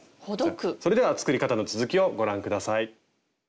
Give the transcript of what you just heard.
それでは作り方の続きをご覧下さい。